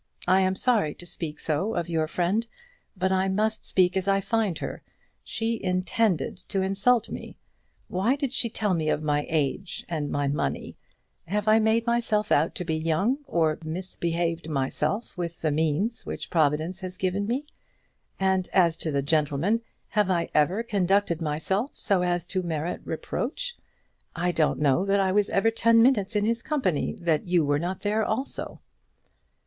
I am sorry to speak so of your friend, but I must speak as I find her. She intended to insult me. Why did she tell me of my age and my money? Have I made myself out to be young? or misbehaved myself with the means which Providence has given me? And as to the gentleman, have I ever conducted myself so as to merit reproach? I don't know that I was ever ten minutes in his company that you were not there also."